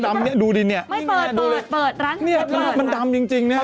สุดท้ายฉันไม่รู้ว่าจะทำยังไง